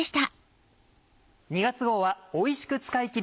２月号はおいしく使いきり。